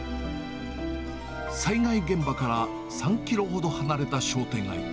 災害現場から３キロほど離れた商店街。